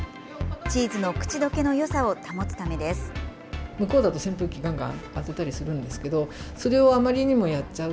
チーズの口どけのよさを保つためです。